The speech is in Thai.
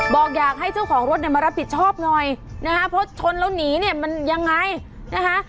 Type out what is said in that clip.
บอกอยากให้เจ้าของรถเนี่ยมารับผิดชอบหน่อยนะคะเพราะชนแล้วหนีเนี่ยมันยังไงนะคะ